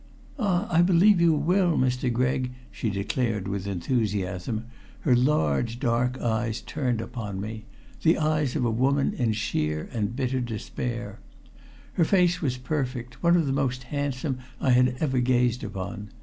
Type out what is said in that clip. "Ah! I believe you will, Mr. Gregg!" she declared with enthusiasm, her large, dark eyes turned upon me the eyes of a woman in sheer and bitter despair. Her face was perfect, one of the most handsome I had ever gazed upon.